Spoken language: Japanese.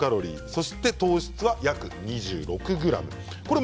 そして糖質は約２６ｇ。